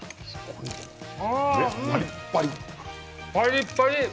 パリパリ。